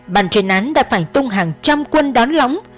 bàn chuyên án đã phải tung hàng trăm quân đón lõng